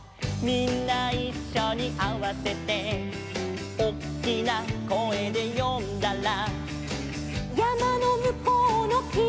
「みんないっしょにあわせて」「おっきな声で呼んだら」